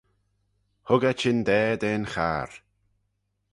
Hug eh chyndaa da'n charr